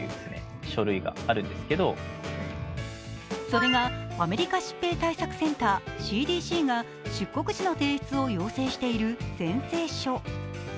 それが、アメリカ疾病対策センター＝ＣＤＣが出国時の提出を要請している宣誓書。